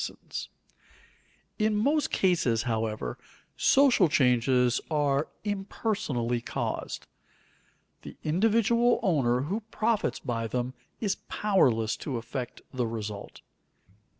[Sidenote: Also many chances of loss] In most cases, however, social changes are impersonally caused. The individual owner who profits by them is powerless to affect the result.